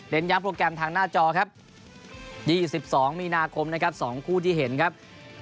เด้นยังโปรแกรมทางหน้าจอครับ๒๒มีนาคมสองคู่ที่เห็นครับ